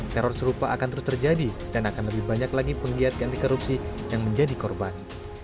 teror serupa akan terus terjadi dan akan lebih banyak lagi penggiat anti korupsi yang menjadi korban